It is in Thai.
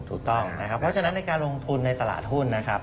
ถูกต้องนะครับเพราะฉะนั้นในการลงทุนในตลาดหุ้นนะครับ